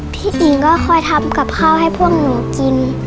พี่ติ๋งก็คอยทำกับข้าวให้พวกหนูกิน